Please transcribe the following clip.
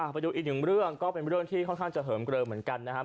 ไปดูอีกหนึ่งเรื่องก็เป็นเรื่องที่ค่อนข้างจะเหิมเกลิมเหมือนกันนะครับ